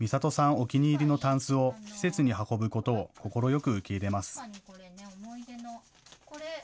お気に入りのたんすを施設に運ぶことを快く受け入れます。